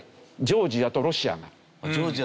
ジョージアとロシアが。